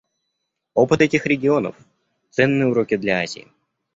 Опыт этих регионов — ценные уроки для Азии.